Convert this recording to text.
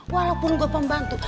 walaupun gue pembantu